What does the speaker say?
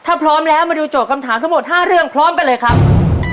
ถ้าพร้อมแล้วมาดูโจทย์คำถามทั้งหมด๕เรื่องพร้อมกันเลยครับ